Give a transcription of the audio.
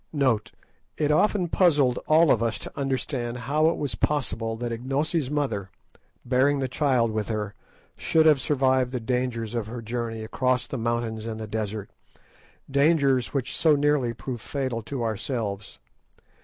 It often puzzled all of us to understand how it was possible that Ignosi's mother, bearing the child with her, should have survived the dangers of her journey across the mountains and the desert, dangers which so nearly proved fatal to ourselves.